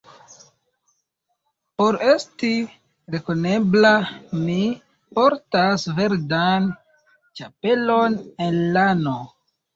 Por esti rekonebla, mi portas verdan ĉapelon el lano.